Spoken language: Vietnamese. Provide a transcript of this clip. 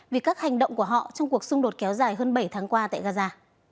vì các hành động của họ trong cuộc xung đột kéo dài hơn bảy tháng qua tại gaza